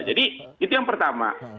jadi itu yang pertama